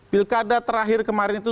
pilkada terakhir kemarin itu